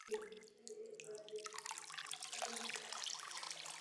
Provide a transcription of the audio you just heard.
Písmo je značně vzdálené od výslovnosti a zápis je proto často nejasný.